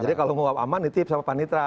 jadi kalau mau aman nitip sama panitera